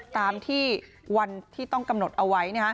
ตามที่วันที่ต้องกำหนดเอาไว้